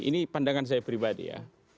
ini pandangan saya pribadi ya